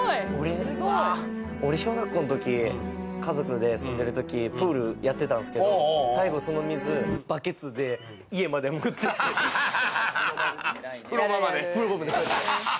俺、小学校のとき家族で住んでるとき、プールやってたんすけれども、最後その水、バケツで家まで持ってって、風呂場まで。